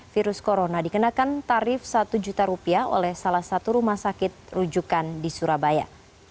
virus corona dikenakan tarif satu juta rupiah oleh salah satu rumah sakit rujukan di surabaya